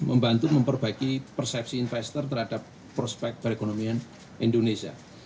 membantu memperbaiki persepsi investor terhadap prospek perekonomian indonesia